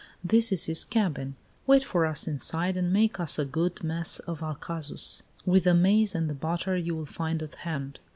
This is his cabin. Wait for us inside, and make us a good mess of alcazus, with the maize and the butter you will find at hand.